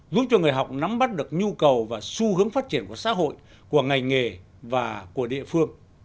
giúp cho người học nắm bắt được nhu cầu và xu hướng phát triển của xã hội của ngành nghề và của địa phương